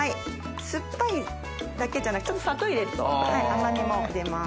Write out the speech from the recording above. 酸っぱいだけじゃなくちょっと砂糖入れると甘みも出ます。